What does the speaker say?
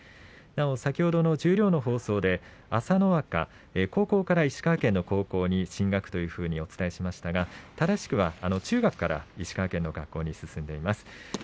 なお、先ほど十両の放送で朝乃若高校から石川県の高校に進学とお伝えしましたが正しくは中学から石川県の学校に進んでいます。